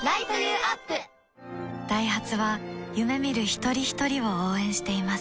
ダイハツは夢見る一人ひとりを応援しています